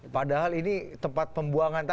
padahal ini tempat pembuangan